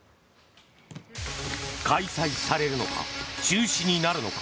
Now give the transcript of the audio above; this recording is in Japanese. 開催されるのか中止になるのか